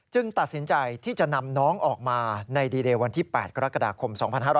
ตัดสินใจที่จะนำน้องออกมาในดีเดย์วันที่๘กรกฎาคม๒๕๕๙